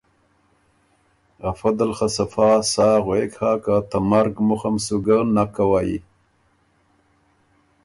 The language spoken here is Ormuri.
افۀ دل خه صفا سا غوېک هۀ که ته مرګ مُخم سُو ګۀ نک کوئ۔